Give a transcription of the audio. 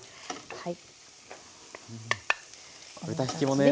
はい。